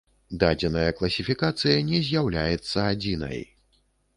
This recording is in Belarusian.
Дадзеная класіфікацыя не з'яўляецца адзінай.